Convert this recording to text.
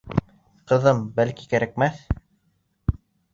Ҡыҙым, бәлки, кәрәкмәҫ?